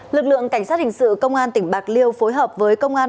lực lượng cảnh sát hình sự công an tỉnh bạc liêu phối hợp với công an